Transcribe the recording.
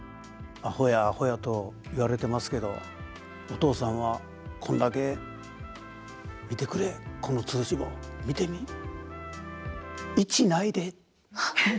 あほやあほやと言われてますけど「お父さんはこんだけ見てくれこの通知簿。見てみ」。